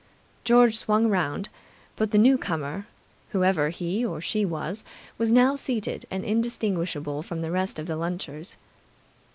George swung around, but the newcomer, whoever he or she was, was now seated and indistinguishable from the rest of the lunchers.